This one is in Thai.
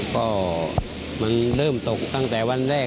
ก็มันเริ่มตกตั้งแต่วันแรก